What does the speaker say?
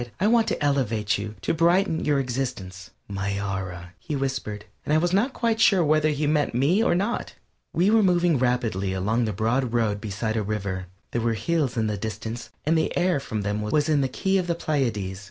"I want to elevate you; to brighten your existence." "My Aura!" he whispered; and I was not quite sure whether he meant me or not. We were moving rapidly along the broad road beside a river. There were hills in the distance and the air from them was in the key of the Pleiades.